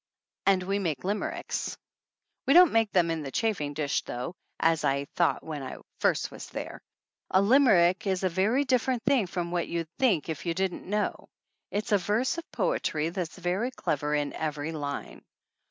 And we make limericks ! We don't make them in the chafing dish though, as I thought when I first went there. A limerick is a very different thing from what you'd think if you didn't know. It's a verse of poetry that's very clever in every line.